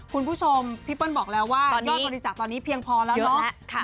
คุณผู้ชมพี่เปิ้ลบอกแล้วว่ายอดบริจาคตอนนี้เพียงพอแล้วเนาะ